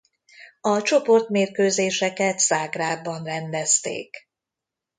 A csoportmérkőzéseket Zágráb-ban rendezték.